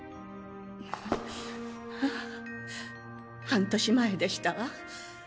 半年前でしたわ。